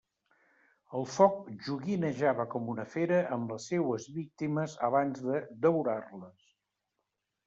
El foc joguinejava com una fera amb les seues víctimes abans de devorar-les.